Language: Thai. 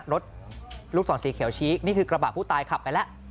ลูกศรสีเขียวชี้นี่คือกระบะผู้ตายขับไปแล้ว